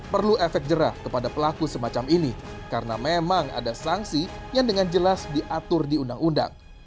perlu efek jerah kepada pelaku semacam ini karena memang ada sanksi yang dengan jelas diatur di undang undang